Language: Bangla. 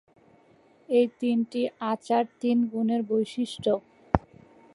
এই তিনটি আচার তিন গুণের বৈশিষ্ট্য।